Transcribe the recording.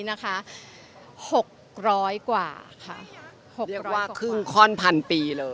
เรียกว่าครึ่งค่อนพันปี